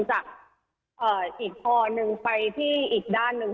จากอีกภอล์นึงไปที่อีกด้านนึง